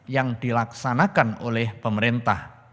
yang dilaksanakan oleh pemerintah